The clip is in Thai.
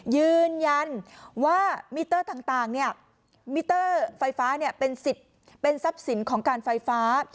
ยืนยันว่ามิเตอร์ต่างมิเตอร์ไฟฟ้าเป็นสิทธิ์เป็นทรัพย์สินของการไฟฟ้า